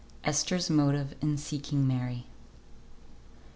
ESTHER'S MOTIVE IN SEEKING MARY.